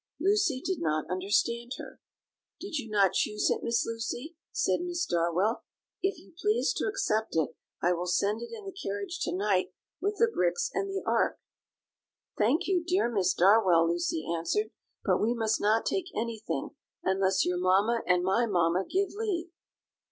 Lucy did not understand her. "Did you not choose it, Miss Lucy?" said Miss Darwell; "if you please to accept it, I will send it in the carriage to night with the bricks and the ark." "Thank you, dear Miss Darwell," Lucy answered; "but we must not take anything, unless your mamma and my mamma give leave."